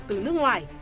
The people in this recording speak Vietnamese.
từ nước ngoài